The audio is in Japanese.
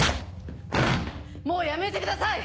もうやめてください！